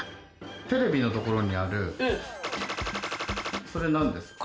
テレビのところにある、それなんですか？